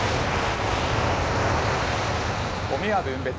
ゴミは分別。